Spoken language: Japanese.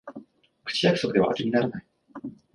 口約束ではあてにならない